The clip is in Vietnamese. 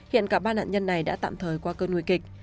hiện cả ba nạn nhân này đã tạm thời qua cơn nguy kịch